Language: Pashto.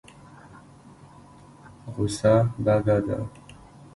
غوسه بده ده.